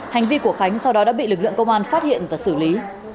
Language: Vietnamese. hành vi của khánh sau đó đã bị lực lượng công an phát hiện và xử lý